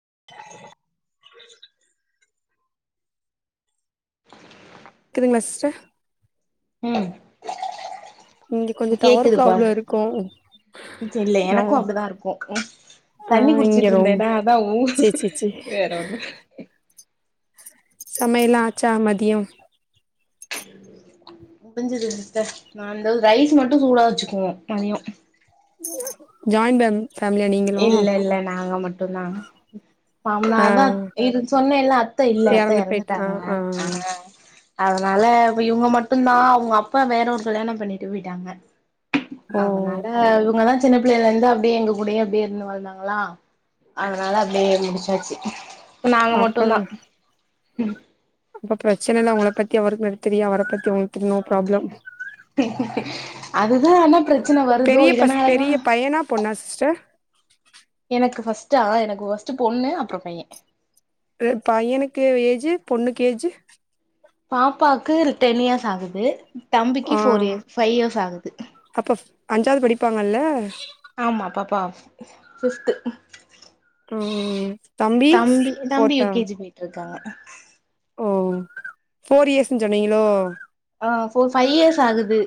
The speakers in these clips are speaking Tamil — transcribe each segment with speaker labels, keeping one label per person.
Speaker 1: [inaudible]
Speaker 2: க்குதுங்களா சிஸ்டர்
Speaker 1: ம்
Speaker 2: இங்க கொஞ்சோ டவர்
Speaker 1: கேக்குதுப்பா
Speaker 2: ப்ராப்ளம் இருக்கு
Speaker 1: ம் சேரி இல்ல
Speaker 2: ஆ
Speaker 1: எனக்கு அப்டிதா இருக்கு ம்
Speaker 2: ஆ
Speaker 1: தண்ணி
Speaker 2: இங்க
Speaker 1: குடிச்சிட்டு
Speaker 2: ரொம்
Speaker 1: இருந்தேனா அதா
Speaker 2: சேரி சேரி சேரி
Speaker 1: வேற ஒண்ணு
Speaker 2: சமையல்லா ஆச்சா மதியோ
Speaker 1: முடிஞ்சது சிஸ்டர் நா இந்த ரைஸ் மட்டு சூடா வச்சுக்குவோ மதியோ
Speaker 2: ஜாயின் ஃபே
Speaker 1: இல்ல இல்ல நாங்க மட் டு்ந்தா ம் நாங்க
Speaker 2: ஆ
Speaker 1: அதா இது சொன்னேல்ல அத்த இல்ல அத்த
Speaker 2: எறந்து போயிட்டா
Speaker 1: எறந்துட்டாங்க
Speaker 2: ஆ
Speaker 1: அதனால
Speaker 2: ஆ
Speaker 1: அதனால இப்ப இவங்க மட்டுந்தா அவங்க அப்பா வேற ஒரு கல்யாணோ பண்ணிட்டு போயிட்டாங்க
Speaker 2: ஓ
Speaker 1: அதனால இவங்கதா சின்னப் பிள்ளைல இருந்து அப்டியே எங்க கூடயே ப்டியே இருந்து வளந்தாங்களா அதுனால அப்டியே முடிச்சாச்சு ப நாங்க
Speaker 2: அப்ப
Speaker 1: மட்டுந்தா ம்
Speaker 2: அப்ப பிரச்சனல்ல உங்கள பத்தி அவருக்கு நல் தெரியு அவர பத்
Speaker 1: ஆமா அது ஏ அதா ப்ர
Speaker 2: பெரிய பஸ் பெரிய பையனா பொண்ணா சிஸ்டர்
Speaker 1: எனக்கு ஃபர்ஸ்டா எனக்கு ஒஸ்ட்டு பொண்ணு அப்றொ பைய
Speaker 2: பையனுக்கு ஏஜு பொண்ணுக்கு ஏஜு
Speaker 1: பாப்பாக்கு ரு டென் இயர்ஸ் ஆகுது
Speaker 2: ஆ
Speaker 1: தம்பிக்கு ஃபோர் இயர்ஸ் ஃபை இயர்ஸ் ஆகுது
Speaker 2: அஞ்சாது படிப்பாங்கல்ல
Speaker 1: ஆமா பாப்பா ஃபிஃப்த்து
Speaker 2: ம்
Speaker 1: தம்பி தம்பி யு
Speaker 2: ஃபோர்த்தா
Speaker 1: கே ஜி போயிட்ருக் கா
Speaker 2: ஓ ஃபோர் இயர்ஸுன் சொன்னீங்களோ
Speaker 1: ஆ ஃபோ ஃபை இயர்ஸ் ஆகு து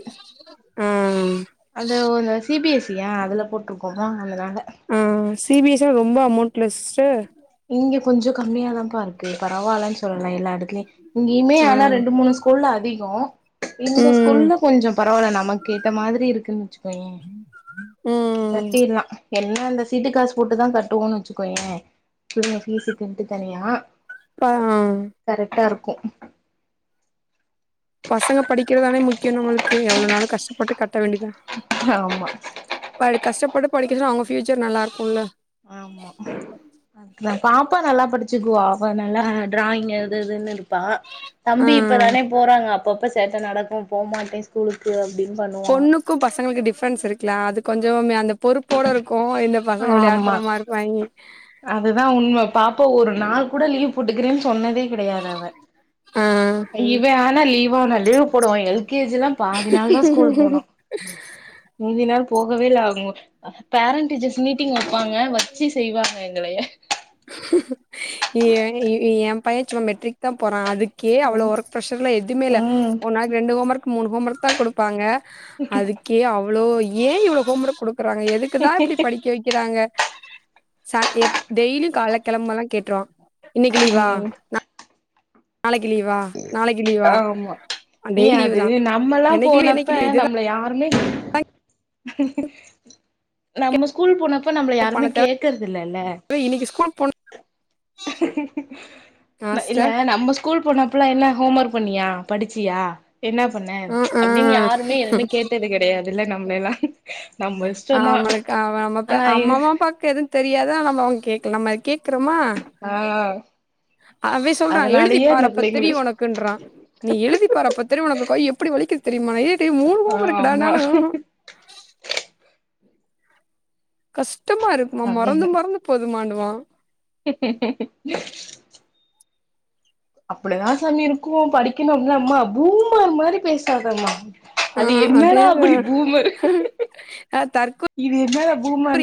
Speaker 2: ஆ ம்
Speaker 1: அது ஒரு சி பி எஸ் சி யா அதுல போட்ருக்கோ [unintelligible]
Speaker 2: ம் சி பி எஸ் சி னா ரொம்ப அமௌண்ட்ல சிஸ் ட
Speaker 1: இங்க கொஞ்சொ கம்மியா தாம்ப்பா இருக்கு பரவால்லன் சொல்வே எல்லா எடத்ல இங்கியுமே
Speaker 2: ஆ
Speaker 1: ஆனா ரெண்டு மூணு ஸ்கூல்ல அதிகோ இந்த
Speaker 2: ம்
Speaker 1: ஸ்கூல்ல கொஞ்சொ பரவால்ல நமக்கேத்த மாதிரி இருக்குன் வச்சுக்கோயே
Speaker 2: ம்
Speaker 1: கட்டிற்லா என்ன இந்த சீட்டு காசு போட்டுதா கட்டுவோன் வச்சுக்கோயே பிள்ளைங்க ஃபீஸுக்குன்ட்டு தனியா
Speaker 2: ப அ
Speaker 1: க்கு
Speaker 2: பசங்க படிக்கிறதானே முக்கியொ நம்மளுக்கு எவ்ளொனாலு கஷ்டப்பட்டு கட் ட வேண்டிதா
Speaker 1: ஆமா
Speaker 2: இப்ப அது கஷ்டப் பட்டு படிக்க வச்சனா அவுங்க ஃப்யூச்சர் நல்லாருக்குல்ல
Speaker 1: ஆமா அதுதா பாப்பா நல்லா படிச்சுக்குவா அவ நல்லா டிராயிங் அது இதுன்னு இரு ப்பா
Speaker 2: ஆ
Speaker 1: தம்பி இப்பதானே போறாங்க அ ப்பப்ப சேட்ட நடக்கு போமாட்டே ஸ்கூலுக்கு அ
Speaker 2: பொண்ணுக்கு பசங்ளுக்கு டிஃப்ரென்ஸ் இருக்குலா அது கொஞ்சமுமே அந்த பொறுப்போட இரு
Speaker 1: ஆமா அதுதா உண்ம பாப்பா ஒரு நாள் கூட லீவ் போட்டுக்குறேன் சொன்னதே கிடையாது அவ
Speaker 2: ஆ
Speaker 1: இவெ ஆனா லீ வான லீவ் போடுவா எல் கே ஜி லா பாதி நாள் தா ஸ்கூல் போனா மீதி நாள் போகவேல்ல அவுங்கொ அ பேரண்ட் டீச்சர்ஸ் மீட்டிங் வப்பாங்க வச்சு செய்வாங்க எ ங்களைய
Speaker 2: ஏங் எ பய சும்மா மெட்ரிக் தா போற் அதுக் கே அவ்ளோ
Speaker 1: ம்
Speaker 2: ஒர்க் ப்ரஷர்லா எதுமே இல்ல
Speaker 1: ம்
Speaker 2: ஒரு நாளைக்கு ரெண்டு ஹோமர்க் மூணு ஹோமர்க் தா குடுப்பாங்க அதுக்கே அவ்ளோ இ ஏ இவ்ளொ ஹோம் ஒர்க் குடு க்குறாங்க எதுக்குதா இப்டி படிக்க வக்கிறாங்க சன் எப் டெய்லி கெளம்பனா கேட்ருவா இன்னக்கி லீவா
Speaker 1: ம்
Speaker 2: நாளைக்கு லீவா நாளைக்கு லீவா
Speaker 1: ஆமா ஏ
Speaker 2: டெய்லி லீவு
Speaker 1: அது
Speaker 2: தா
Speaker 1: நம்மல்லா
Speaker 2: என்னைக்கு லீவு என்னைக்கு
Speaker 1: போனப்ப
Speaker 2: லீவு இதுதா
Speaker 1: நம்மள யாருமே நம்ம ஸ்கூல் போன ப்ப நம்மள யாருமே
Speaker 2: கேப்பானே
Speaker 1: கேக்கற்தில்லல்ல
Speaker 2: தவிர இன்னைக்கு ஸ்கூல் போனு ஆ
Speaker 1: இல்ல
Speaker 2: சிஸ்டர்
Speaker 1: நம்ம ஸ்கூல் போனா அப்பல்லா என்ன ஹோம் ஒர்க் பண்ணியா படிச்சியா என்ன பண்ண
Speaker 2: ஆ ஆ
Speaker 1: அப்டின்னு யாருமே எதுவுமே கேட்டது கெடயாதுல்ல நம்ளெல்லா
Speaker 2: ஆமா அவுளுக்கு நம்ம
Speaker 1: ஆனா
Speaker 2: அம்ம அம்மா ப்பாக்கு எதுவு தெரியாதா நம்ம அவுங்க கேட்கலா நம்ம கேக்குறோமா
Speaker 1: ஆ
Speaker 2: அவே சொல்றா எழுதி
Speaker 1: அதனாலயே
Speaker 2: பார்
Speaker 1: அந்த
Speaker 2: அப்ப தெரியு
Speaker 1: பிள்ளைங்களுக்கு
Speaker 2: ஒனக்குன்றா நீ எழுதிப் பார் அப்ப தெரியு உனக்கு கைய் எப்டி வலிக்குது தெரியுமா ஏ மூனு
Speaker 1: ஆ ஆமா
Speaker 2: கோம்வொர்க்டானாலு ஊஹு கஷ்ட கஷ்டமா இருக்குமா மறந்து
Speaker 1: அதேதா
Speaker 2: மறந்து போதுமான்னுவா [inaudible]
Speaker 1: [unintelligible] அப்டிதா சாமி இருக்கு படிக்கனு அப்டினா பூமர் மாரி பேசாதம்மா அது என்னடா அப்டி பூமர்
Speaker 2: ஆ தற்கொலை
Speaker 1: இது என்னட அ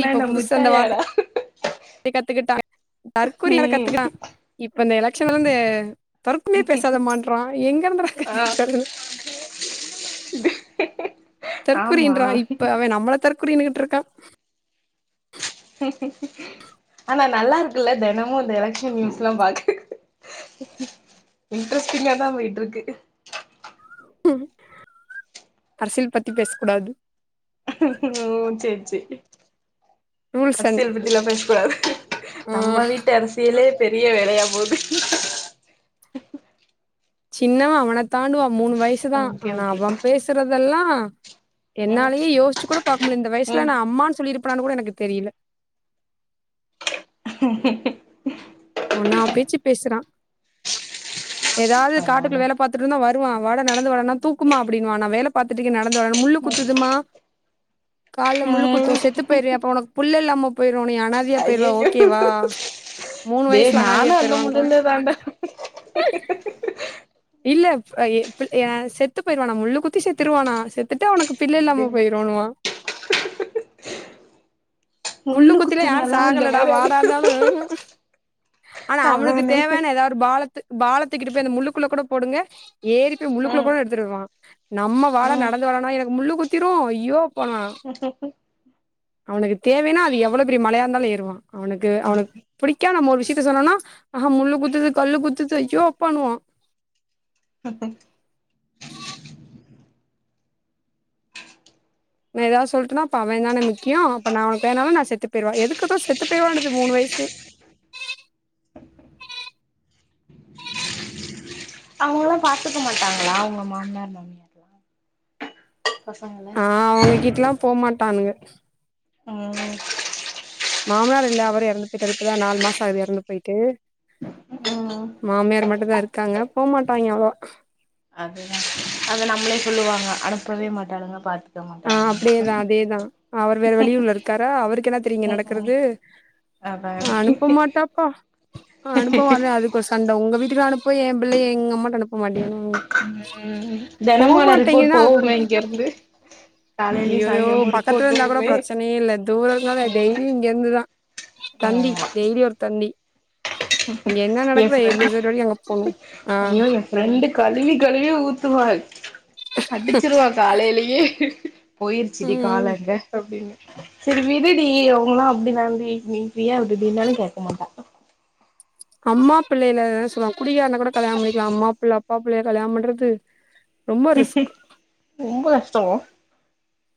Speaker 2: இப்ப புதுசு அந்த வார்த்த கத்துக்கிட்டா தற்குறி
Speaker 1: ம்
Speaker 2: கத்துக்கான் இப்ப இந்த எலக்க்ஷ எலக்ஷான்லருந்து தருக்குமே பேசாத மாட்ன்றா எங்க இருந்துற
Speaker 1: ஆ
Speaker 2: கத்துரு
Speaker 1: [unintelligible]
Speaker 2: தரற்குரின்றா
Speaker 1: ஆமா
Speaker 2: இப்ப அவ நம்மள தற்குரி குறியீன்ருக்கா
Speaker 1: ஆனா நல்லா இருக்குல்ல தினமு இந்த எலக்க்ஷன் நியூஸ் எல்லா பாக்க இன்ட்ரெஸ்டிங்கா தா போயிட்டு இருக்கு
Speaker 2: அரசியல் பத்தி பேச கூடாது
Speaker 1: ஓ சேரி சேரி
Speaker 2: ரூல்ஸ் அண்ட்
Speaker 1: அரசியல் பத்தி எல்லா பேசக் கூடாது
Speaker 2: ஆ
Speaker 1: நம்ம வீட்டு அரசியலே பெரிய வேலையா போது
Speaker 2: சின்னவ அவன தாண்டுவா மூனு வயசு தா
Speaker 1: ஓகே
Speaker 2: ஆனா
Speaker 1: ஓகே
Speaker 2: அவ பேசுறதெல்லா
Speaker 1: ம்
Speaker 2: என்னாலயே யோச்சு கூட பாக்க முடியல இந்த வயசல
Speaker 1: ம்
Speaker 2: ந அம்மான்னு சொல்லிருபே அனானு கூட எனக்கு தெரியல
Speaker 1: [inaudible]
Speaker 2: என்னா பேச்சு பேசுறா ஏதாவது காட்டுக்குள்ள
Speaker 1: அதானே
Speaker 2: வேல பாத்துட்டு இருந்தா வருவா வாடா நடந்து வாடானா தூக்குமா அப்டின்னுவா நா வேல பாத்துருக்கே நடந்து முள்ளு குத்துதுமா கால முள்ளுக்குத்து
Speaker 1: ம்
Speaker 2: செத்து போய்ரியா அப்போ புள்ள இல்லமா போய்டுவானோ அனாதையா போயிருவ ஓகேவா மூணு
Speaker 1: ஏ
Speaker 2: வயசுல அனாதையா
Speaker 1: நானும் அந்த
Speaker 2: போயிருவான்றா
Speaker 1: முடிவுல தாண்ட
Speaker 2: இல்ல எப்ப செத்து போயிடுவானா முள்ளு குத்தி செத்துருவானா செத்துட்டா உனக்கு பிள்ளை இல்லாம போயிரோணுமா
Speaker 1: முள்ளு
Speaker 2: முள்ளுக்குத்தில யார்
Speaker 1: குத்துனாலா இந்த
Speaker 2: சாகலடா
Speaker 1: மாரி ஆகுது
Speaker 2: வாடானாலும் ஆனா அவனுக்கு
Speaker 1: அதானே
Speaker 2: தேவையான ஏதாவது பாலத்து பாலத்து போய் முள்ளுக்குள்ள கூட போடுங்க ஏறிப்போய் முள்ளுக்குள்ள
Speaker 1: ம்
Speaker 2: கூட எடுத்துடுவான் நம்ம வாழ
Speaker 1: ம்
Speaker 2: நடந்து வரனா முள்ளு குத்திரும் ஐயோ போனா
Speaker 1: [inaudible]
Speaker 2: அவனுக்கு தேவைனா அது எவ்ளோ பெரிய மலையா இருந்தாலும் ஏறுவான் அவனுக்கு அவனுக்கு பிடிக்காம நம்ம விஷயம் விசியத்தை சொன்னோம்னா ஆஹ முள்ளு குத்துது கல்லு குத்துச்சு அய்யோ அப்பானுவான்
Speaker 1: ஹ
Speaker 2: நான் ஏதாவது சொல்லிட்டட்டுனா அப்ப அவன் தானே முக்கியம் அப்ப நான் உனக்குனாலும் நான் செ செத்து போய்ருவா எதுக்குதான் செத்து போய்ருவானது மூணு வயசுல
Speaker 1: அவங்கல்லாம் பாத்துக்க மாட்டாங்களா உங்க மாமியாரு மாமனாரு
Speaker 2: ஆஹ் அவங்க கிட்டல்லாம் போக மாட்டானுங்க
Speaker 1: உம்
Speaker 2: மாமனார் இல்ல அவர் இறந்து போயிட்ட்டாரு இப்ப தான் நாலு மாசம் ஆகுது இறந்து போயிட்டு
Speaker 1: ம்
Speaker 2: மாமியார் மட்டும் தான் இருக்காங்க போமாட்டாங்க அவ்வளவா
Speaker 1: அதுதா அது நம்ளே சொல்லுவாங்க அனுப்பவே மாட்டானுங்க பாத்து
Speaker 2: ஆ அப்டியேதா அதேதா அவர் வேற வெளியூர்ல இருக்காரா அவருக்கு என்ன தெரியு இங்க
Speaker 1: ம்
Speaker 2: நடக்குறது
Speaker 1: அதா
Speaker 2: அனுப்ப மாட்டாப்பா அ அனுப்ப மாட்ர அதுக்கொரு சண்ட உங்க வீட்டுக்கு அனுப் புவ ஏம்பிள்ளய எங்கம்மா
Speaker 1: ம் தெனமு ஆனா ரிப்போட்
Speaker 2: போமாட்டேங்கன்னா
Speaker 1: போகுமே இங்கருந்து
Speaker 2: அய்யயோ பக்கத்துல இருந்தா கூட பிரச்சனயே இல்ல தூரனால
Speaker 1: ம்
Speaker 2: டெய்லி இங்க இருந்துதா தந்தி
Speaker 1: ஆமா
Speaker 2: டெய்லி ஒருத்த ந்தி
Speaker 1: எ ஃப்ரெண்
Speaker 2: வரைக்கு அங்க போணு ஆ
Speaker 1: ஐயோ எ ஃப்ரெண்டு கழுவி கழுவி ஊத்துவா அடுச்சிருவா காலைலயே போயிருச்சுடி கால்
Speaker 2: ம்
Speaker 1: அங்க அப்டின்னு சரி விடுடி அவுங்களா அப்டிதான்டி நீ ஃப்ரீயா விடுடின்னாலு கேக்க மாட்டா
Speaker 2: அம்மா புள்ளைல சொல்வாங் குடிகாரன கூட கல்யாண பண்ணிக்லா அம்மா புள்ள அப்பா புள்ளய கல்யாணம் பண்றது ரொம்ப ரிஸ்க்
Speaker 1: ரொம்ப கஷ்டோ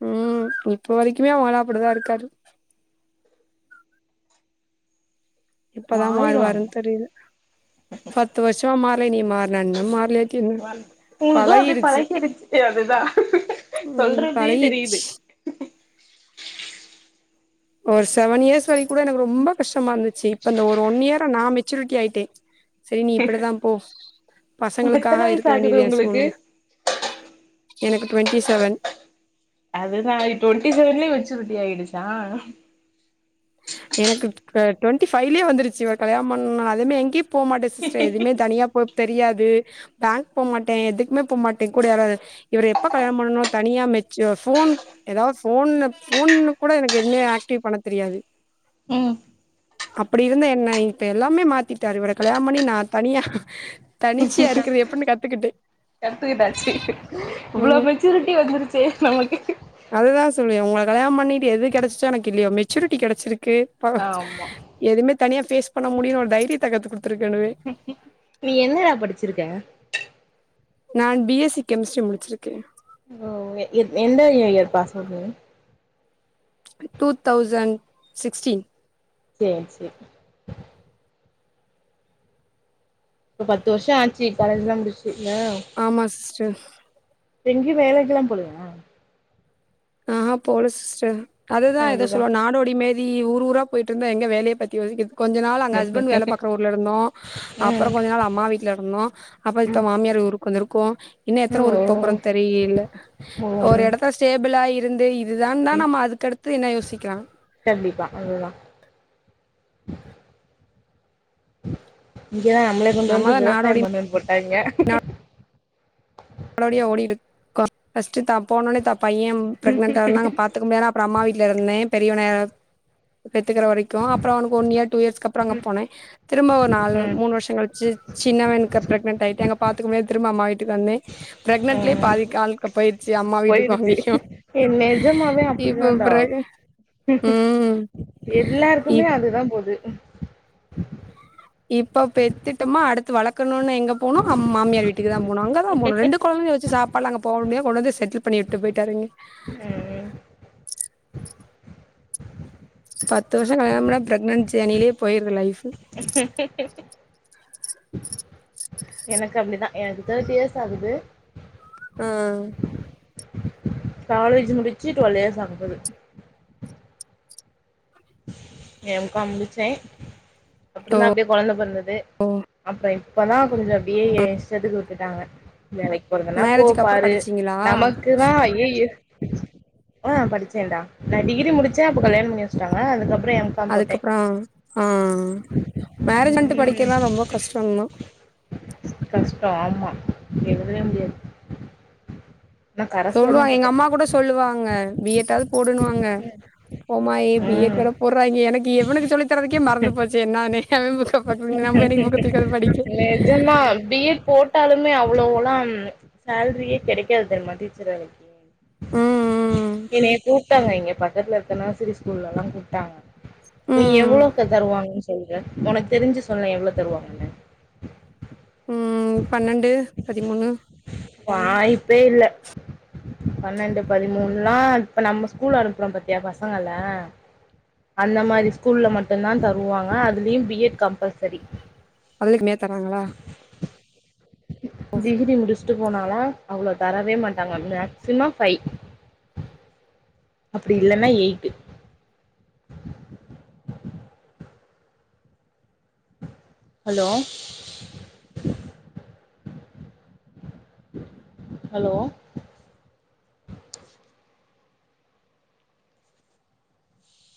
Speaker 2: ம் இப்ப வரைக்குமே அவுகளா அப்டிதா இருக்காரு எப்பதா
Speaker 1: மாறிடுவாங்க
Speaker 2: மாறுவாருன் தெரில பத்து வருஷமா மா றல இனி
Speaker 1: உங்களுக்லா அப்டி
Speaker 2: பழகிருச்சு
Speaker 1: பழகிருச்சு அதுதா
Speaker 2: ம்
Speaker 1: சொல்றதே
Speaker 2: பழகிடுச்சு
Speaker 1: தெரியிது
Speaker 2: ஒரு செவன் இயர்ஸ் வரைக் கூட எனக்கு ரொம்ப கஷ்டமா இந்துச்சு இப்ப இந்த ஒரு ஒன் இயரா நா மெச்சூரிட்டி ஆயிட்டே சே நீ இப்புடிதா போ
Speaker 1: எத்தன
Speaker 2: பசங்களுக்காக
Speaker 1: வயசு
Speaker 2: இருக்க வேண்டியது
Speaker 1: ஆகுது
Speaker 2: எ
Speaker 1: உங்களுக்கு
Speaker 2: சூழ் எனக்கு ட்வெண்ட்டி செவன்
Speaker 1: அதுதா ட்வெண்ட்டி செவன்லயே மெச்சூரிட்டி ஆயிடுச்சா
Speaker 2: எனக்கு ட ட்வெண்ட்டி ஃபைலயே வந்துருச்சு இவர் கல்யாணம் பண்ண அதெமே எங்யு பே மாட்டே சிஸ்ட்ர் எதுமே தனியா போ தெரியாது பேங்க் போமாட்டே எதுக்குமே போமாட்டே கூட யாராவ்து இவர் எப்ப கல்யாண பண்ணனொ தனியா மெச் ஃபோன் எதா‌ ஃபோன்ன ஃபோன்ன கூட எனக்கு எதுவுமே ஆக்டிவ் பண்ண தெரியாது
Speaker 1: ம்
Speaker 2: அப்டி இருந்த என்ன இப்ப எல்லாமே மாத்திட்டாரு இவர கல்யாணம் பண்ணி நா தனியா தனிச்சியா இருக்கிறது எப்படின்னு கத்துக்கிட்டே
Speaker 1: கத்துக்கிட்டாச்சு இவ்ளோ
Speaker 2: ம்
Speaker 1: மெச்சூரிட்டி வந்துருச்சு நமக்கு
Speaker 2: அதுதா சொல்லுவே உங்கள கல்யாணம் பண்ணிட்டு எது கெடச்சுச்சோ எனக் இல்லயோ மெச்சூரிட் டி கெடச்சிருக் கு பா
Speaker 1: ஆமா
Speaker 2: எதுமே தனியா ஃபேஸ் பண்ண முடியுனு ஒரு தைரியத்த கத்துக்குடு
Speaker 1: நீ என்னடா படிச்சுருக்க
Speaker 2: நான் பி எஸ் சி கெமிஸ்ட்ரி முடிச்சுருக்கேன்
Speaker 1: ஓ எந்த இயர் பாஸ் அவுட் நீங்க
Speaker 2: டூ தௌசண்ட் சிக்ஸ்டீ
Speaker 1: சேர் சேரி ஒரு பத்து வருஷம் ஆச்சு காலேஜ் எல்லா முடிச்
Speaker 2: ஆமா சிஸ்டஸ்
Speaker 1: எங்கியு வேலகெல்லா போலயா
Speaker 2: ஆ ஹா போல சிஸ் டர் அதுதா எத சொல்லுவா நாடோடி மேரி ஊர் ஊரா போயிட்ருந்தா எங்க வேலய பத்தி யோசிக்கது கொஞ்ச நாள் அங்க ஹஸ்பண்ட் வேலைபாக்கற ஊர்ல இருந்தோம் அப்ற
Speaker 1: ம்
Speaker 2: கொஞ்ச நாள் அம்மா வீட்ல இருந்தோம் அப்ற இப்ப
Speaker 1: ம்
Speaker 2: மாமியார் ஊருக்கு வந்துருக் கோ இன்னு எத்தன
Speaker 1: ஓ
Speaker 2: ஊருக்கு போப் போறோன்னு தெரியகல
Speaker 1: ஓ
Speaker 2: ஒரு
Speaker 1: ம்
Speaker 2: எடத்துல ஸ்டே அப்புலா இருந்தே இ இதுதா தான் நம்ம அதுக்கடுத் து என்ன யோசிக்கிறான்
Speaker 1: கண்டிப்பா அவ்ளோதா இங்கதான் நம்ள கொண்டு வந்து
Speaker 2: நம்மதா
Speaker 1: விவசாயம்
Speaker 2: நாடோடி
Speaker 1: பண்ணுன்னு போட்டாங்க
Speaker 2: நாடோடிய ஓடி கோ பஸ்ட் தா போனோன தப் பையன் பிரெக்னட்டா இருந்தங்க பாத்து முடியாதுன் அப்ற அம்மா வீட் ல இருந்தேன் பெரியவன பெத்துக்கிற வரைக்கும் அப்ற அவனுக்கு ஒன் இயர் டூ இயர்ஸ்கு அப்ற அங்க போனேன் திரும்ப ஒரு நால
Speaker 1: ம்
Speaker 2: மூணு வருஷ கழிச்சு சின்னவனுக்கு பிரெக்னன்ட் ஆயிட்டே அங்க பாத்துக்குமே திரும்ப அம்மா வீட்டுக்கு வந்
Speaker 1: ம்
Speaker 2: போயிருச்சு அம்மா வீட்டுக்கு
Speaker 1: போயிருச்சு
Speaker 2: அங்கேயு
Speaker 1: ஏ நெஜமாவே அப்டி
Speaker 2: இப்ப
Speaker 1: தான்டா
Speaker 2: பிறகு ம்
Speaker 1: எல்லாருக்குமே
Speaker 2: இப்
Speaker 1: அதுதான் போது
Speaker 2: து வளக் குனுனா எங்க போனு அம் மாமியார் வீட்டுக்கு தான போணு அங்க தா போணு ரெண்டு கொழந்தய வச்சு சாப் அப்ப நாங்க போணுமே கொண்டு வந்த செட்டில் பண்ணி உட்டு போயிட்டாரு
Speaker 1: ம் ம்
Speaker 2: பத்து வருஷம் கல்யாணம் பண்ணா பிரக்னன்ட் ஜெணிலே போயிருது லைஃப்
Speaker 1: எனக்கு அப்டிதான் என்கு தேட்டி இயர்ஸ் ஆகுது
Speaker 2: ம்
Speaker 1: காலேஜ் முடிச்சு டுவெல் இயர்ஸ் ஆகப்போது எம் காம் முடிச்சே அப்புறந்தா அப்டியே கொழந்த பொறந்துது அப்புற இப்பதா கொஞ்ச அப்டியே ஏன் இஷ்டத்துக்கு விட்டுட்டாங்க வேலைக்கி போறதுன்னா போ
Speaker 2: மேரேஜுக்கு அப்புறோ
Speaker 1: பாரு
Speaker 2: படிச்சீங்களா
Speaker 1: நமக்குதா ஐயய்யே ஆ படிச்சேன்டா நா டிகிரி முடிச்சே அப்ப கல்யாணோ பண்ணி வச்சுட்டாங்க அதுக்கப்புறோ எ
Speaker 2: அதுக்கப்புறோ ஆ மேரேஜ் பண்ட்டு
Speaker 1: ம்
Speaker 2: படிக்கறதுலா ரொம்ப கஷ்டந்தா
Speaker 1: டோ ஆமா எழுதவே முடியாது. நா கரஸ்ல தா
Speaker 2: சொல்வாங்க எங்க
Speaker 1: போட்டே
Speaker 2: அம்மா கூட சொல்லுவாங்க பி எட் ஆவது போடுண்ணுவாங்க. போம்மா ஏ பி எட்
Speaker 1: ம்
Speaker 2: வேற போடுறாய்ங்க எனக்கு இவனுக்கு சொல்லி தர்றதுக்கே மறந்து போச்சு நானு எவே புக்க பாக்கறது நம்ப என்னைக்கி புக்க தூக்கியாந்து படிக்க
Speaker 1: ட்டாலுமே அவ்ளோ எல்லாம் சேல்ரியே கெடைக் காது தெரியுமா டீச்சர் வேலைக்கி
Speaker 2: ம்
Speaker 1: என்னைய கூப்ட்டாங்க இங்க பக்கத்துல இருக்கற நர்சரி ஸ்கூல்ல எல்லாங் கூப்ட்டாங்க நீ
Speaker 2: ம்
Speaker 1: எவ்ளோ இப்ப தருவாங்கன்னு சொல்ற? உனக்கு தெரிஞ்சு சொல்லே எவ்ளோ தருவாங்கன்னு.
Speaker 2: ம் பன்னெண்டு பதிமூணு
Speaker 1: பே இல்ல பன்னெண்டு பதிமூணுல்லா இப்ப நம்ம ஸ்கூலு அனுப்புறோ பாத்தியா பசங்கள அந்த மாரி ஸ்கூல்ல மட்டுந்தா தருவாங்க அதுலயு பி எட் கம்பல்சரி
Speaker 2: அத விட கம்மியா தராங்களா?
Speaker 1: டிகிரி முடிச்சுட்டு போனாலு அவ்ளோ தரவே மாட்டாங்க. மேக்சிமோ ஃபைவ் அப்டி இல்லன்னா எயிட்டு ஹலோ ஹலோ